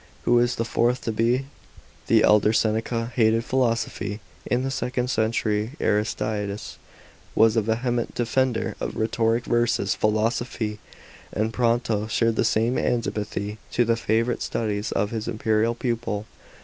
Whose is the fourth to be ?" The elder Seneca hated philosophy. In the second century Aristides was a vehement defender of rhetoric versus philosophy, and Pronto shared the same antipathy to the favourite studies of his imperial pupil.